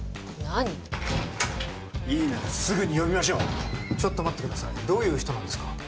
何よいいならすぐに呼びましょうちょっと待ってくださいどういう人なんですか？